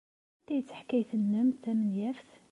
Anta ay d taḥkayt-nnem tamenyaft?